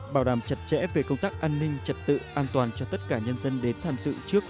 bảo đảm chặt chẽ về công tác an ninh trật tự an toàn cho tất cả nhân dân đến tham dự trước